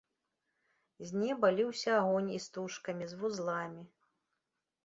З неба ліўся агонь істужкамі з вузламі.